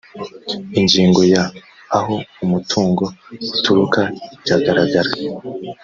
ingingo ya aho umutungo uturuka iragaragara